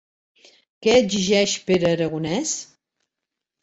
Què exigeix Pere Aragonès?